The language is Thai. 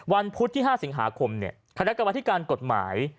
ก็บอกว่าวันพุธที่ห้า๕ศิงหาคมเนี่ยคณกรรมธิการกฎหมาย